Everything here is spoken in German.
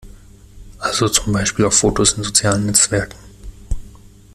Also zum Beispiel auf Fotos in sozialen Netzwerken.